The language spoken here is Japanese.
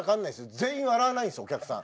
全員笑わないんすよお客さん。